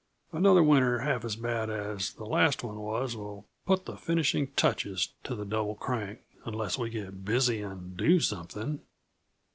Another winter half as bad as the last one was will sure put the finishing touches to the Double Crank unless we get busy and do something."